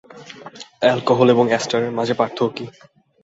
Alcohol এবং এস্টারের মাঝে পার্থক্য কী?